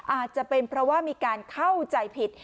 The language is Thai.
อาจจะเป็นเพราะว่ามีการเข้าใจผิด